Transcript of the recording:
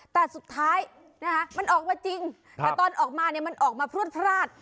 แต่สุดท้ายมันออกมาจริงแต่ตอนออกมาเนี่ยมันออกมาพลวดพลาด